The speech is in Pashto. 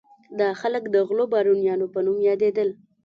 دا خلک د غلو بارونیانو په نوم یادېدل.